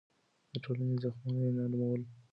د ټولنې زخمونه يې نرمول.